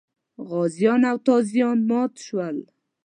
غازیان او تازیان مات شول.